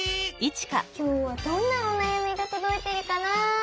きょうはどんなおなやみがとどいているかな？